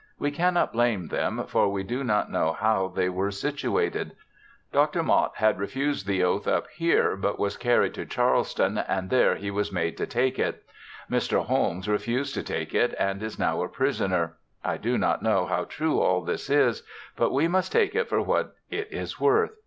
We cannot blame them for we do not know how they were situated. Dr. Motte had refused the oath up here, but was carried to Charleston, and there he was made to take it. Mr. Holmes refused to take it and is now a prisoner. I do not know how true all this is, but we must take it for what it is worth.